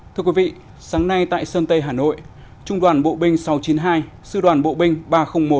thưa quý vị sáng nay tại sơn tây hà nội trung đoàn bộ binh sáu trăm chín mươi hai sư đoàn bộ binh ba trăm linh một